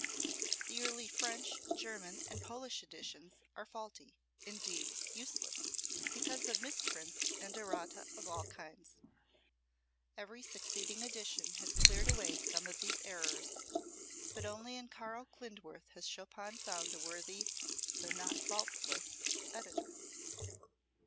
The early French, German and Polish editions are faulty, indeed useless, because of misprints and errata of all kinds. Every succeeding edition has cleared away some of these errors, but only in Karl Klindworth has Chopin found a worthy, though not faultless, editor.